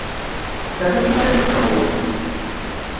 Terra tmara ad ččeɣ wa?